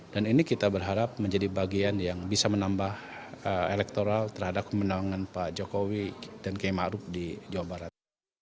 dan ini kita berharap menjadi bagian yang bisa menambah elektoral terhadap kemenangan pak jokowi dan kmaru di jawa barat